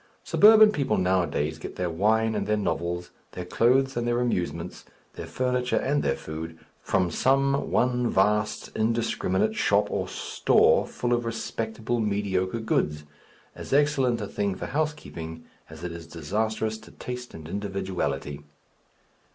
Suburban people nowadays get their wine and their novels, their clothes and their amusements, their furniture and their food, from some one vast indiscriminate shop or "store" full of respectable mediocre goods, as excellent a thing for housekeeping as it is disastrous to taste and individuality.